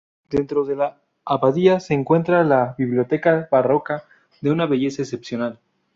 Dentro de la abadía se encuentra la biblioteca barroca, de una belleza excepcional.